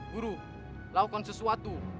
guru lakukan sesuatu